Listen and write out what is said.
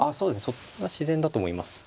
そっちが自然だと思います。